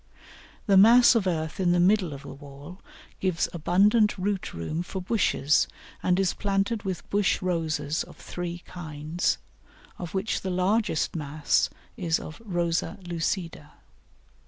The mass of earth in the middle of the wall gives abundant root room for bushes, and is planted with bush Roses of three kinds, of which the largest mass is of Rosa lucida.